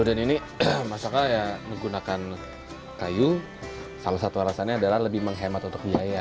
hidurian ini masaknya menggunakan kayu salah satu alasannya adalah lebih menghemat untuk biaya